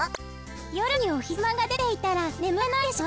夜にお日さまが出ていたら眠れないでしょ？